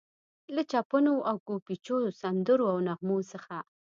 له چپنو او ګوبیچو، سندرو او نغمو څخه.